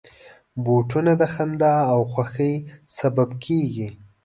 بوټونه د خندا او خوښۍ سبب کېږي.